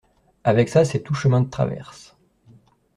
Avec ça, c'est tout chemins de traverse.